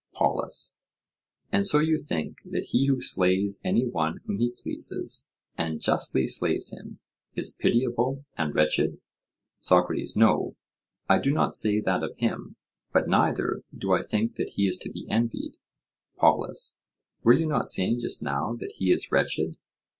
POLUS: And so you think that he who slays any one whom he pleases, and justly slays him, is pitiable and wretched? SOCRATES: No, I do not say that of him: but neither do I think that he is to be envied. POLUS: Were you not saying just now that he is wretched?